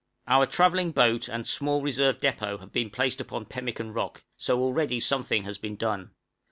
Our travelling boat and a small reserve depôt have been placed upon Pemmican Rock, so already something has been done.